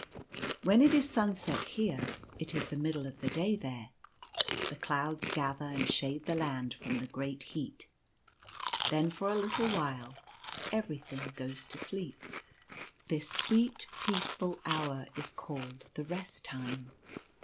When it is sunset here, it is the middle of the day there. The clouds gather and shade the Land from the great heat. Then for a little while everything goes to sleep. This sweet, peaceful hour is called the Rest Time.